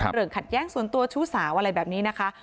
ขัดแย้งส่วนตัวชู้สาวอะไรแบบนี้นะคะ